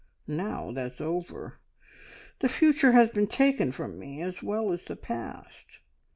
Now that's over! The future has been taken from me, as well as the past.